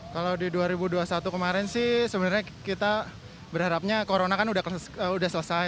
kalau di dua ribu dua puluh satu kemarin sih sebenarnya kita berharapnya corona kan udah selesai